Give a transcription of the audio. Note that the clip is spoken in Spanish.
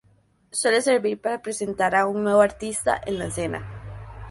Suele servir para presentar a un nuevo artista en la escena.